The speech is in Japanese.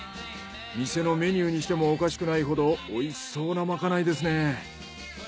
店のメニューにしてもおかしくないほどおいしそうなまかないですね。